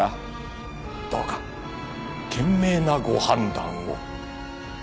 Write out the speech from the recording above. どうか賢明なご判断を。